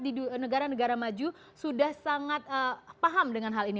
di negara negara maju sudah sangat paham dengan hal ini